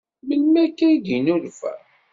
Melmi akka i d-yennulfa?